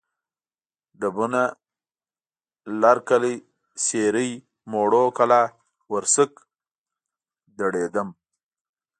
ډبونه، لرکلی، سېرۍ، موړو کلا، ورسک، دړیدم